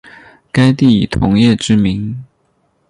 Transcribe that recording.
该地以铜业知名。